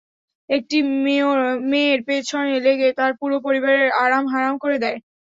একটি মেয়ের পেছনে লেগে তার পুরো পরিবারের আরাম হারাম করে দেয়।